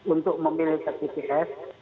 untuk memilih pps